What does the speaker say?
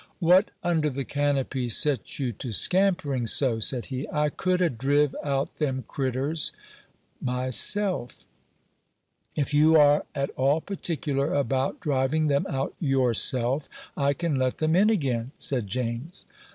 "What under the canopy set you to scampering so?" said he; "I could a' driv out them critturs myself." "If you are at all particular about driving them out yourself, I can let them in again," said James.